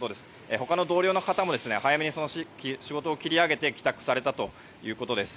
他の同僚の方も早めにその仕事を切り上げて帰宅されたということです。